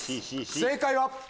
正解は。